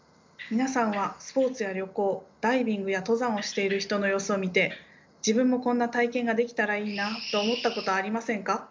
皆さんはスポーツや旅行ダイビングや登山をしている人の様子を見て自分もこんな体験ができたらいいなと思ったことはありませんか？